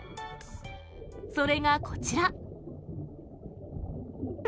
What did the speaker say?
それがこちら。